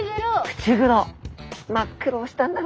口黒。